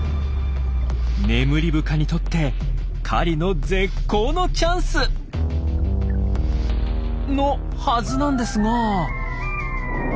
ネムリブカにとって狩りの絶好のチャンス！のはずなんですが。